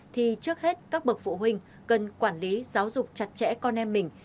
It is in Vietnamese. thì trước hết các bậc phụ huynh cần quản lý giáo dục chặt chẽ con em mình